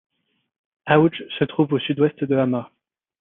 Aoudj se trouve au sud-ouest de Hama.